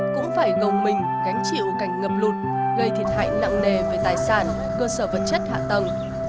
cũng phải gồng mình gánh chịu cảnh ngập lụt gây thiệt hại nặng nề về tài sản cơ sở vật chất hạ tầng